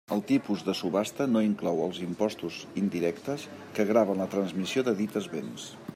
El tipus de subhasta no inclou els imposts indirectes que graven la transmissió de dites béns.